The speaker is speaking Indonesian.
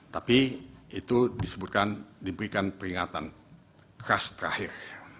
tapi itu disebutkan diberikan peringatan khas terakhir